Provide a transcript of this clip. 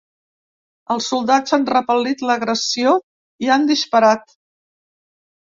Els soldats han repel·lit l’agressió i han disparat.